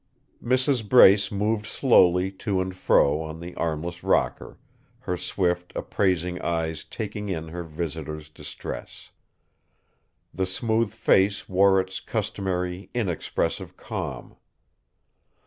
Mrs. Brace moved slowly to and fro on the armless rocker, her swift, appraising eyes taking in her visitor's distress. The smooth face wore its customary, inexpressive calm.